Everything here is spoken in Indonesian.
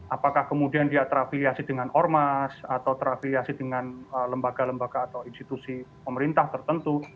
apakah kemudian dia terafiliasi dengan ormas atau terafiliasi dengan lembaga lembaga atau institusi pemerintah tertentu